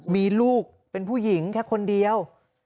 มีลูกเป็นผู้หญิงแค่คนเดียว